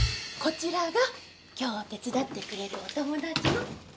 こちらが今日手伝ってくれるお友達の。